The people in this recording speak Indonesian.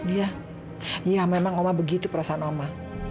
iya ya memang oma begitu perasaan oma